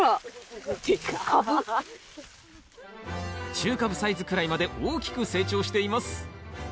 中カブサイズくらいまで大きく成長しています。